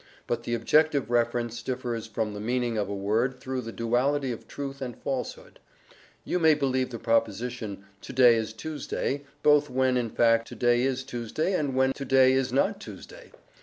But the objective reference differs from the meaning of a word through the duality of truth and falsehood. You may believe the proposition "to day is Tuesday" both when, in fact, to day is Tuesday, and when to day is not Tuesday.